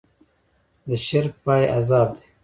د شرک پای عذاب دی.